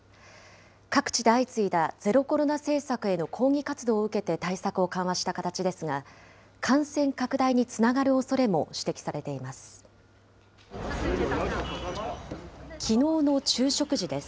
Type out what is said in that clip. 各地で相次いだゼロコロナ政策への抗議活動を受けて対策を緩和した形ですが、感染拡大につながるおそれも指摘されています。